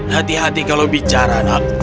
hati hati kalau bicara nak